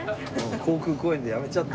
航空公園でやめちゃったんだよ。